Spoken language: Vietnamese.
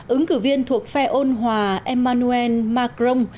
ứng cử viên thuộc phe ôn hòa emmanuel macron